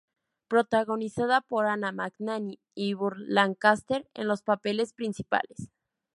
Protagonizada por Anna Magnani y Burt Lancaster en los papeles principales.